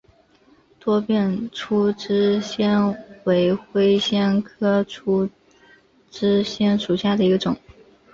多变粗枝藓为灰藓科粗枝藓属下的一个种。